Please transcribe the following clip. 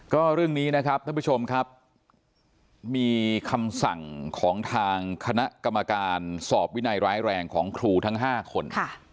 ก็เรื่องนี้นะครับท่านผู้ชมครับมีคำสั่งของทางคณะกรรมการสอบวินัยร้ายแรงของครูทั้ง๕คน